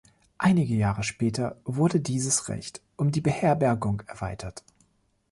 Einige Jahre später wurde dieses Recht um die Beherbergung erweitert.